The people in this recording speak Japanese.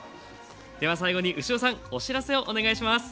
では最後に牛尾さんお知らせをお願いします。